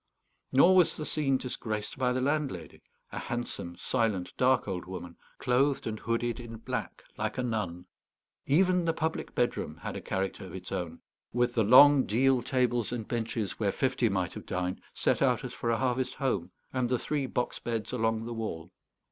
Nor was the scene disgraced by the landlady, a handsome, silent, dark old woman, clothed and hooded in black like a nun. Even the public bedroom had a character of its own, with the long deal tables and benches, where fifty might have dined, set out as for a harvest home, and the three box beds along the wall.